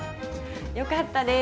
よかったです。